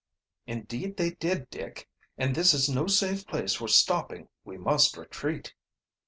"Indeed they did, Dick. And this is no safe place for stopping. We must retreat."